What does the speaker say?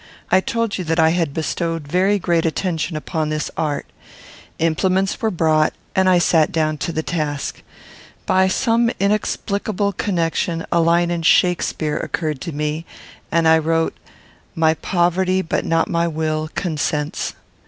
I told you that I had bestowed very great attention upon this art. Implements were brought, and I sat down to the task. By some inexplicable connection a line in Shakspeare occurred to me, and I wrote, "My poverty, but not my will, consents."